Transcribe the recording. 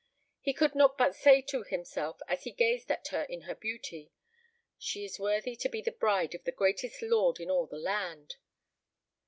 He could not but say to himself, as he gazed at her in her beauty, "She is worthy to be the bride of the greatest lord in all the land."